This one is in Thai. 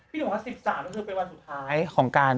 พี่หนุ่มคะ๑๓คือเป็นวันสุดท้ายของการ